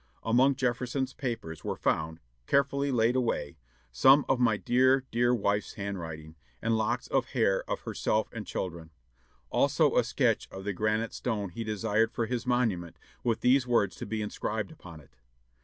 Among Jefferson's papers were found, carefully laid away, "some of my dear, dear wife's handwriting," and locks of hair of herself and children. Also a sketch of the granite stone he desired for his monument, with these words to be inscribed upon it.